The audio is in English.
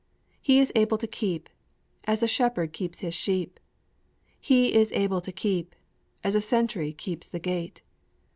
'He is able to keep' as a shepherd keeps his sheep. 'He is able to keep' as a sentry keeps the gate.